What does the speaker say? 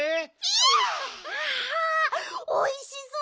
わおいしそう！